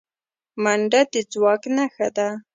منډه د ځواک نښه ده